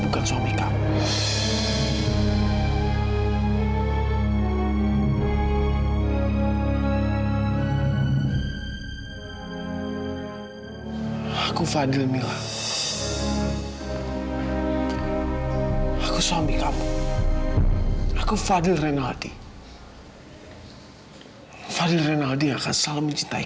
kamila regina putri